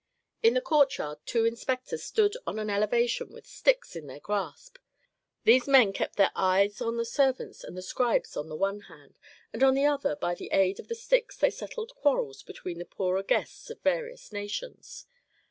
In the courtyard two inspectors stood on an elevation with sticks in their grasp; these men kept their eyes on the servants and the scribes on the one hand, and on the other by the aid of the sticks they settled quarrels between the poorer guests of various nations.